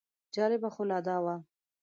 جالبه خو لا دا وه.